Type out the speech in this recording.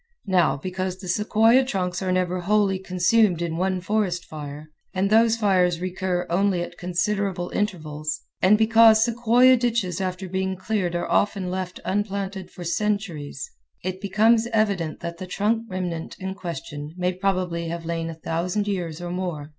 Now, because sequoia trunks are never wholly consumed in one forest fire, and those fires recur only at considerable intervals, and because sequoia ditches after being cleared are often left unplanted for centuries, it becomes evident that the trunk remnant in question may probably have lain a thousand years or more.